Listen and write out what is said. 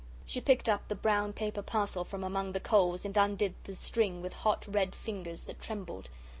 She picked up the brown paper parcel from among the coals and undid the string with hot, red fingers that trembled.